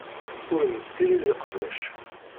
Ur nessirid iqbac.